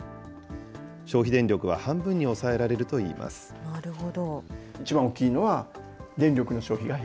消費電力は半分に抑えられるといなるほど。